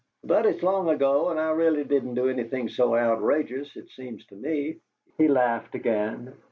"But it's long ago and I really didn't do anything so outrageous, it seems to me." He laughed again.